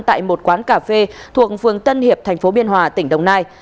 tại một quán cà phê thuộc phường tân hiệp tp biên hòa tỉnh đồng nai